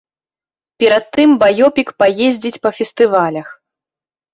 Перад тым баёпік паездзіць па фестывалях.